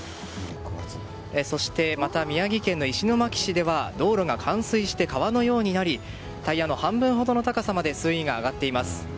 そしてまた、宮城県の石巻市では道路が冠水して川のようになりタイヤの半分ほどの高さまで水位が上がっています。